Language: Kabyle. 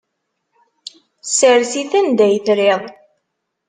Ssers-it anda ay trid.